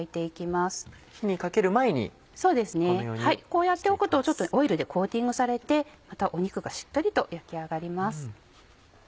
こうやっておくとちょっとオイルでコーティングされてまた肉がしっとりと焼き上がります。